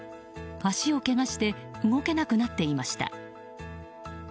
足をけがして動けなくなっていました。